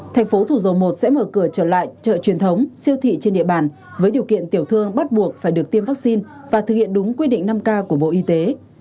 thành phố thủ dầu một sẽ mở cửa trở lại chợ truyền thống siêu thị trên địa bàn với điều kiện tiểu thương bắt buộc phải được tiêm vaccine và thực hiện đúng quy định năm k của bộ y tế